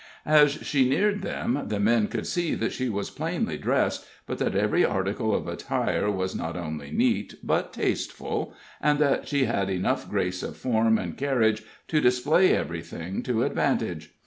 As she neared them, the men could see that she was plainly dressed, but that every article of attire was not only neat but tasteful, and that she had enough grace of form and carriage to display everything to advantage.